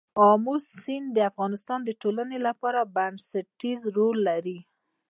آمو سیند د افغانستان د ټولنې لپاره بنسټيز رول لري.